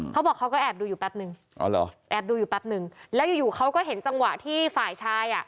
เขาบอกเขาก็แอบดูอยู่แปปนึงแอบดูอยู่แปปนึงแล้วอยู่เขาก็เห็นจังหวะที่ฝ่ายชาย